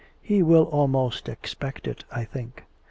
He will almost expect it, I think.